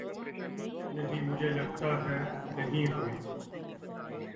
نہیں مجھےلگتا ہے نہیں ہوئی